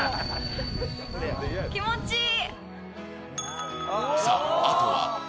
気持ちいい！